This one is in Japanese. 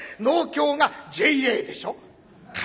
農協がＪＡでしょ。